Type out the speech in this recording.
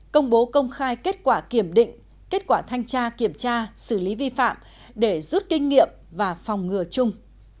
công bố công khai kết quả kiểm định kết quả thanh tra kiểm tra xử lý vi phạm để rút kinh nghiệm và phòng ngừa chung